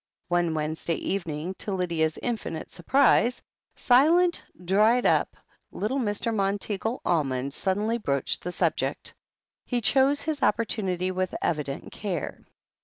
One Wednesday evening, to Lydia's infinite surprise, silent, dried up little Mr. Monteagle Almond suddenly broached the subject. He chose his opportunity with evident care.